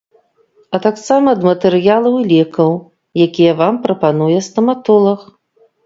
А таксама ад матэрыялаў і лекаў, якія вам прапануе стаматолаг.